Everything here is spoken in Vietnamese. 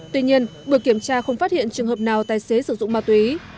tuy nhiên buổi kiểm tra không phát hiện trường hợp nào tài xế sử dụng ma túy